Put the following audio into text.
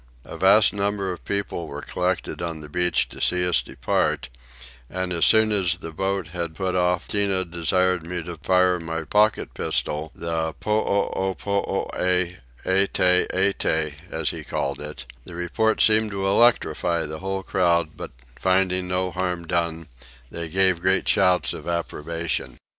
A vast number of people were collected on the beach to see us depart and as soon as the boat had put off Tinah desired me to fire my pocket pistol, the poopooe ete ete, as he called it: the report seemed to electrify the whole crowd but, finding no harm done, they gave great shouts of approbation.